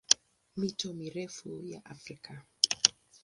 Mito mirefu ya Afrika